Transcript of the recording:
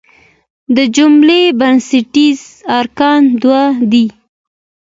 د جملې بنسټیز ارکان دوه دي.